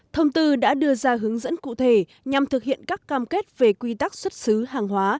thông tư đã đưa ra hướng dẫn cụ thể nhằm thực hiện các cam kết về quy tắc xuất xứ hàng hóa